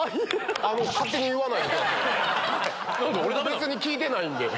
別に聞いてないんで。